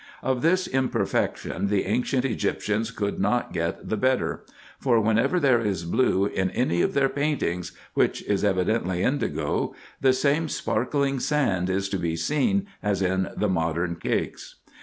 Of this imperfection the ancient Egyptians could not get the better ; for whenever there is blue in any of their paintings, which is evidently indigo, the same sparkling sand is to be seen, as in the modern cakes.